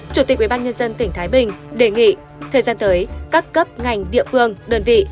chủ tịch ubnd tỉnh thái bình đề nghị thời gian tới các cấp ngành địa phương đơn vị